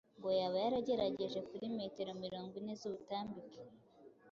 ngo yaba yaragejeje kuri metero mirongo ine z’ubutambike